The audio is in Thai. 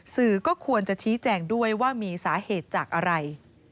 สื่อก็ควรจะชี้แจงด้วยว่ามีสาเหตุจากอะไร